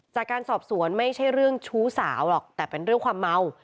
จากการสอบสวนไม่ใช่เรื่องชู้สาวหรอกแต่เป็นเรื่องความเมา